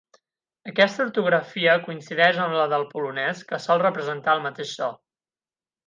Aquesta ortografia coincideix amb la del polonès, que sol representar el mateix so.